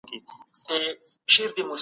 موږ بايد خپل عزت ارزښتناک وګڼو.